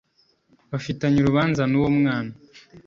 bafitanye urubanza n uwo mwana